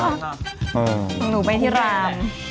เธอไปเมื่อกี้ได้